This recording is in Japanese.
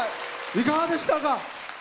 いかがでしたか？